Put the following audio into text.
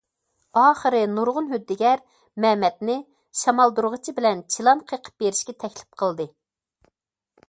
ئاخىرى نۇرغۇن ھۆددىگەر مەمەتنى شامالدۇرغۇچى بىلەن چىلان قېقىپ بېرىشكە تەكلىپ قىلدى.